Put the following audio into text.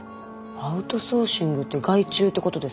アウトソーシングって外注ってことですか？